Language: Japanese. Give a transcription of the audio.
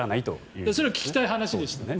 それは聞きたい話でしたね。